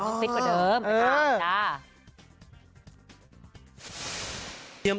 ต้องฟิตกว่าเดิมค่ะจ้าอืม